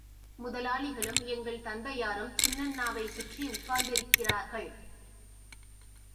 முதலாளிகளும் எங்கள் தந்தை யாரும் சின்னண்ணாவைச் சுற்றி உட்கார்ந்திருக்கிறார்கள்.